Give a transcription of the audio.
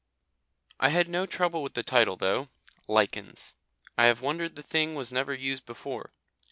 I had no trouble with the title though "Lichens." I have wondered the thing was never used before.